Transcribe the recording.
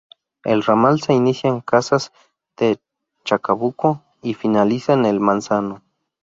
El ramal se inicia en Casas de Chacabuco y finaliza en El Manzano.